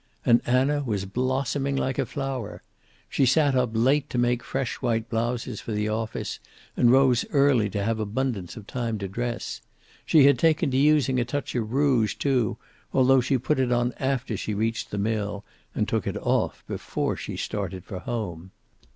And Anna was blossoming like a flower. She sat up late to make fresh white blouses for the office, and rose early to have abundance of time to dress. She had taken to using a touch of rouge, too, although she put it on after she reached the mill, and took it off before she started for home.